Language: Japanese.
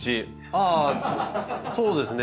ああそうですね。